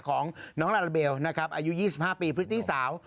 ของน้องลาลาเบลอายุ๒๕ปีพฤติสาว